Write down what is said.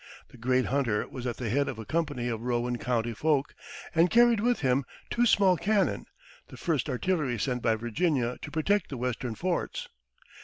The great hunter was at the head of a company of Rowan County folk, and carried with him two small cannon, the first artillery sent by Virginia to protect the Western forts.